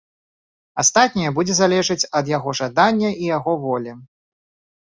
Астатняе будзе залежыць ад яго жадання і яго волі.